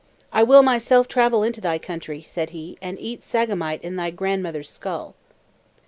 "I will myself travel into thy country," said he, "and eat sagamite in thy grandmother's skull."